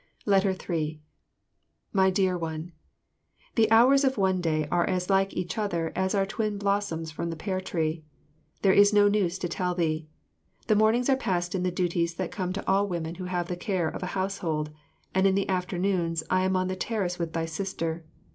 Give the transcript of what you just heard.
3 My Dear One, The hours of one day are as like each other as are twin blossoms from the pear tree. There is no news to tell thee. The mornings are passed in the duties that come to all women who have the care of a household, and the afternoons I am on the terrace with thy sister.